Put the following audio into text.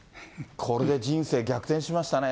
これで人生逆転しましたね。